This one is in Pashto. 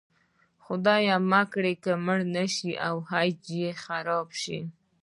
خدای مه کړه مړه نه شي او حج مې خراب شي.